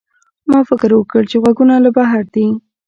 ما فکر وکړ چې غږونه له بهر دي.